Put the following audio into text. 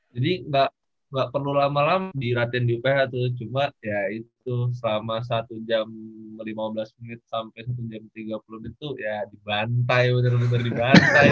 jadi gak perlu lama lama di latihan di uph tuh cuma ya itu selama satu jam lima belas menit sampai satu jam tiga puluh menit tuh ya dibantai bener bener dibantai gitu